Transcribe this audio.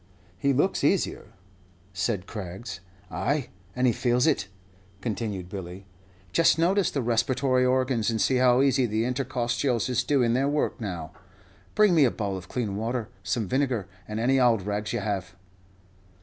"He looks easier," said Craggs. "Ay, and he feels it," continued Billy. "Just notice the respiratory organs, and see how easy the intercostials is doing their work now. Bring me a bowl of clean water, some vinegar, and any ould rags you have."